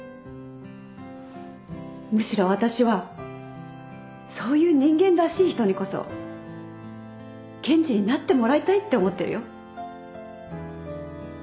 むしろ私はそういう人間らしい人にこそ検事になってもらいたいって思ってるよ。